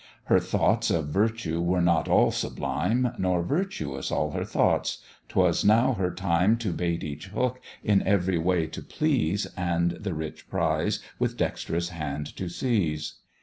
Her thoughts of virtue were not all sublime, Nor virtuous all her thoughts; 'twas now her time To bait each hook, in every way to please, And the rich prize with dext'rous hand to seize.